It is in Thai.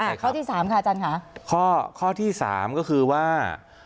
แต่ข้อที่สามค่ะอาจารย์ค่ะข้อข้อที่สามก็คือว่า